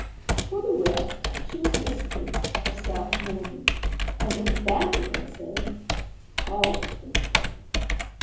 For the rest, she was Miss Pink, of South Morden; and, when that has been said, all has been said.